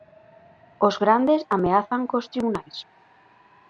Os grandes ameazan cos tribunais.